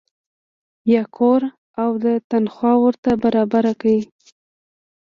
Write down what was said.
یا کور او تنخوا ورته برابره کړي.